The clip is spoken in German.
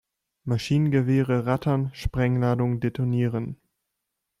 Maschinengewehre rattern, Sprengladungen detonieren.